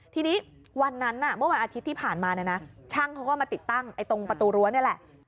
ทีนี้วันนั้นเมื่อวันอาทิตย์ที่ผ่านมาเนี่ยนะช่างเขาก็มาติดตั้งตรงประตูรั้วนี่แหละ